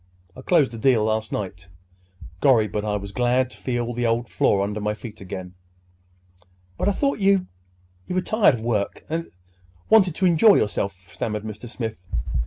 Closed the deal last night. Gorry, but I was glad to feel the old floor under my feet again!" "But I thought you—you were tired of work, and—wanted to enjoy yourself," stammered Mr. Smith.